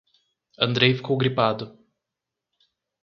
Andrej ficou gripado.